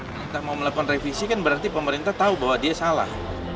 kita mau melakukan revisi kan berarti pemerintah tahu bahwa dia salah